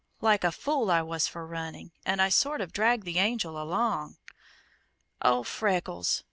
Like a fool I was for running, and I sort of dragged the Angel along." "Oh Freckles!"